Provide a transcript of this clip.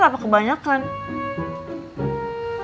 makanya makan jangan ketawa ketawa